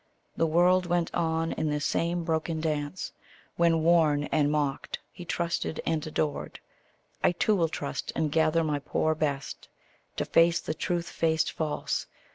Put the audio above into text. The world went on in this same broken dance, When, worn and mocked, he trusted and adored: I too will trust, and gather my poor best To face the truth faced false.